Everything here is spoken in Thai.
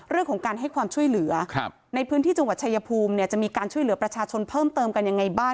เรื่องของการให้ความช่วยเหลือในพื้นที่จังหวัดชายภูมิเนี่ยจะมีการช่วยเหลือประชาชนเพิ่มเติมกันยังไงบ้าง